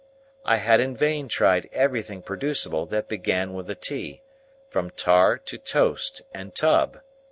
I had in vain tried everything producible that began with a T, from tar to toast and tub.